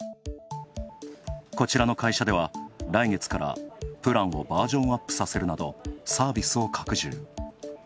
こちらの会社では来月からプランをバージョンアップさせるなどサービスを拡充。